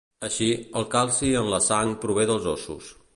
Així, el calci en la sang prové dels ossos.